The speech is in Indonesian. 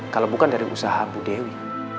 kalau bukan dari usaha bu dewi